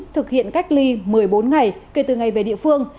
thực hiện cách ly một mươi bốn ngày kể từ ngày về địa phương